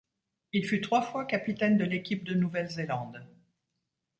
Il fut trois fois capitaine de l'équipe de Nouvelle-Zélande.